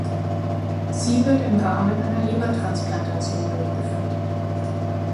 Sie wird im Rahmen einer Lebertransplantation durchgeführt.